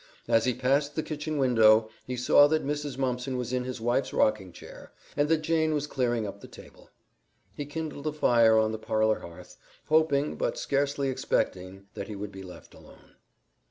As he passed the kitchen window, he saw that Mrs. Mumpson was in his wife's rocking chair and that Jane was clearing up the table. He kindled a fire on the parlor hearth, hoping, but scarcely expecting, that he would be left alone.